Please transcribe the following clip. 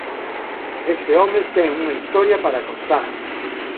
Ese home ten unha historia para contar!"".